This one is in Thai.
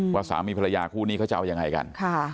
สามีภรรยาคู่นี้เขาจะเอายังไงกัน